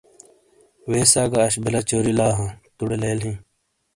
ویسا گہ اش بِیلہ چوری لا ہاں ۔توڑے لیل ہی۔